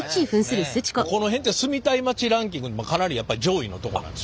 この辺って住みたい街ランキングでもかなり上位のとこなんです。